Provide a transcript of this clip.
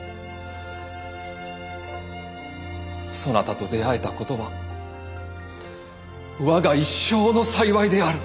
そなたと出会えたことは我が一生の幸いである。